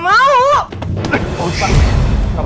gue yang gak mau